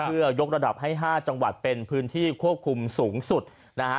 เพื่อยกระดับให้๕จังหวัดเป็นพื้นที่ควบคุมสูงสุดนะฮะ